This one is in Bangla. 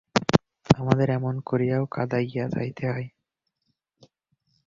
আমাদের এমন করিয়াও কাঁদাইয়া যাইতে হয়!